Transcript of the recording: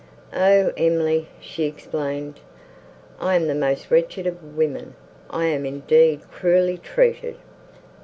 "O Emily!" she exclaimed, "I am the most wretched of women—I am indeed cruelly treated!